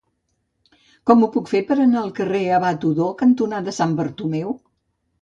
Com ho puc fer per anar al carrer Abat Odó cantonada Sant Bartomeu?